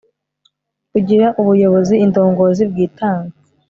kugira ubuyoboziindongozi bwitanga